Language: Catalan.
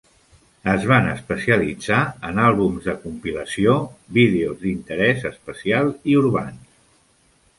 Es van especialitzar en àlbums de compilació, vídeos d'interès especial i urbans.